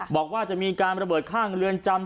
บอกว่าจะมีการระเบิดข้างเรือนจำ